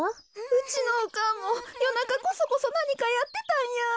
うちのおかんもよなかこそこそなにかやってたんや。